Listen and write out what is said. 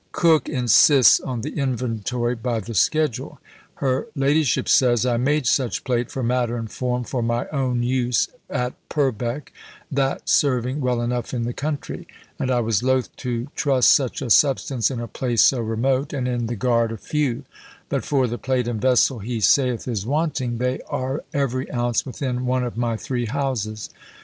Coke insists on the inventory by the schedule! Her ladyship says, "I made such plate for matter and form for my own use at Purbeck, that serving well enough in the country; and I was loth to trust such a substance in a place so remote, and in the guard of few; but for the plate and vessell he saith is wanting, they are every ounce within one of my three houses."